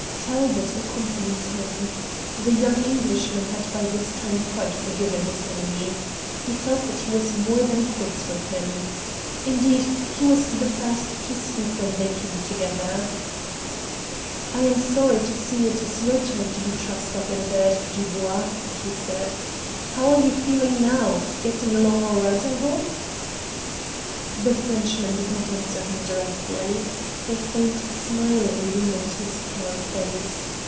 Talbot accompanied him. The young Englishman had by this time quite forgiven his enemy. He felt that he was more than quits with him. Indeed, he was the first to speak when they came together. "I am sorry to see it is your turn to be trussed up in bed, Dubois," he said. "How are you feeling now? Getting along all right, I hope." The Frenchman did not answer him directly. A faint smile illumined his pale face.